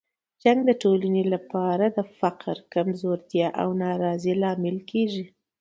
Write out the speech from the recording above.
جنګ د ټولنې لپاره د فقر، کمزورتیا او ناراضۍ لامل کیږي.